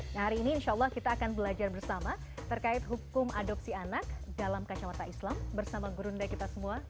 nah hari ini insya allah kita akan belajar bersama terkait hukum adopsi anak dalam kacamata islam bersama gurunda kita semua